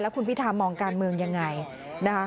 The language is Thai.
แล้วคุณพิธามองการเมืองอย่างไร